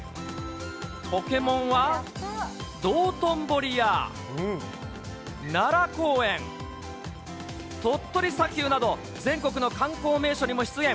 ポケモンは、道頓堀や奈良公園、鳥取砂丘など、全国の観光名所にも出現。